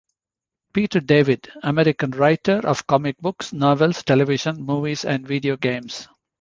Peter David - American writer of comic books, novels, television, movies and video games.